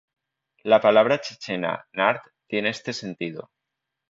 La palabra chechena "nart" tiene este sentido.